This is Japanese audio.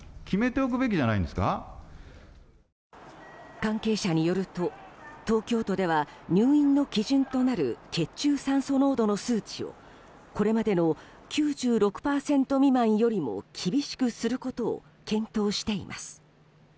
関係者によると東京都では入院の基準となる血中酸素濃度の数値をこれまでの９６％未満よりも厳しくすることを検討しています。